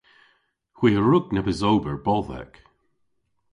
Hwi a wrug nebes ober bodhek.